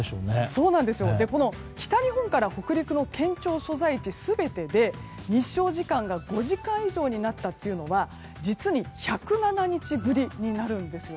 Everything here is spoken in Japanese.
北日本から北陸の県庁所在地全てで日照時間が５時間以上になったのは実に１０７日ぶりになるんです。